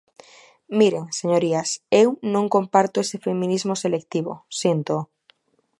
Miren, señorías, eu non comparto ese feminismo selectivo, síntoo.